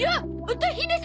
乙姫様！